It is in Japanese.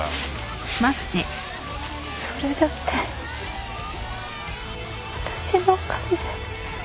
それだって私のお金。